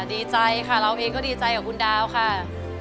ดีใจค่ะเราเองก็ดีใจกับคุณดาวค่ะ